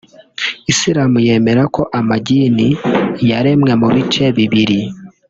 Islam yemera ko amagini yaremwe mu bice bibiri